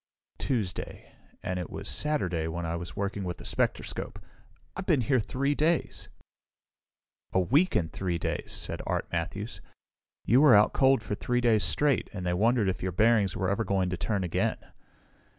"Tuesday and it was Saturday when I was working with the spectroscope. I've been here three days!" "A week and three days," said Art Matthews. "You were out cold for three days straight, and they wondered if your bearings were ever going to turn again."